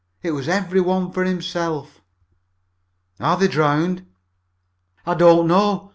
It was every one for himself." "Are they drowned?" "I don't know!